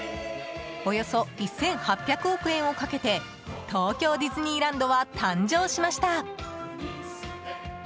およそ１８００億円をかけて東京ディズニーランドは誕生しました。